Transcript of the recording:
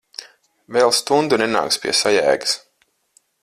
Vēl stundu nenāks pie sajēgas.